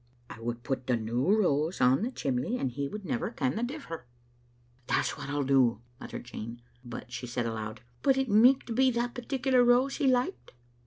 " I would put the new rose on the chimley, and he would never ken the differ." "That's what I'll do," muttered Jean, but she said aloud —" But it micht be that particular rose he liked?"